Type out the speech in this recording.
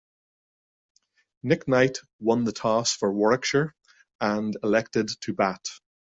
Nick Knight won the toss for Warwickshire and elected to bat.